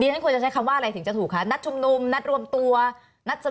ฉันควรจะใช้คำว่าอะไรถึงจะถูกคะนัดชุมนุมนัดรวมตัวนัดเจอ